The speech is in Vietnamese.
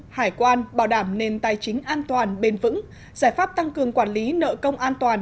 hải quan bảo đảm nền tài chính an toàn bền vững giải pháp tăng cường quản lý nợ công an toàn